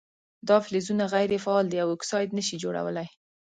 دا فلزونه غیر فعال دي او اکساید نه شي جوړولی.